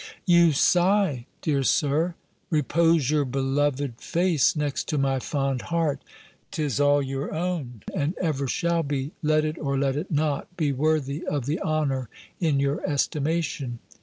"You sigh, dear Sir; repose your beloved face next to my fond heart. 'Tis all your own: and ever shall be, let it, or let it not, be worthy of the honour in your estimation.